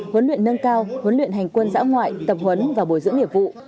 huấn luyện nâng cao huấn luyện hành quân giã ngoại tập huấn và bồi dưỡng nghiệp vụ